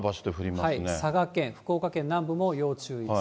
佐賀県、福岡県南部も要注意です。